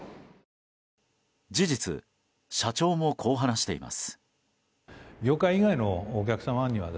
事実、社長もこう話しています。